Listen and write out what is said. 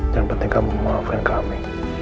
yang penting kamu maafkan kami